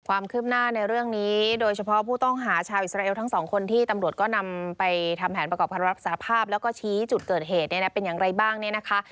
ความคืบหน้าในเรื่องนี้โดยเฉพาะผู้ต้องหาชาวอิสราเอลทั้งสองคนที่ตำรวจก็นำไปทำแผนประกอบคำรับสารภาพแล้วก็ชี้จุดเกิดเหตุเนี่ยนะเป็นอย่างไรบ้างเนี่ยนะคะ